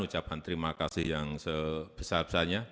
ucapan terima kasih yang sebesar besarnya